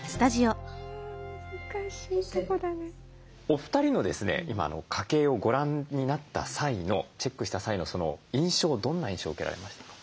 お二人の今家計をご覧になった際のチェックした際の印象どんな印象受けられましたか？